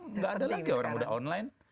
nggak ada lagi orang udah online